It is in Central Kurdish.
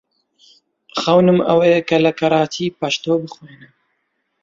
خەونم ئەوەیە کە لە کەراچی پەشتۆ بخوێنم.